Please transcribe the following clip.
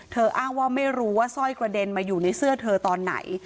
อ้างว่าไม่รู้ว่าสร้อยกระเด็นมาอยู่ในเสื้อเธอตอนไหน